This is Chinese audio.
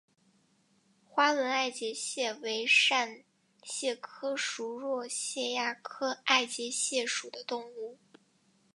花纹爱洁蟹为扇蟹科熟若蟹亚科爱洁蟹属的动物。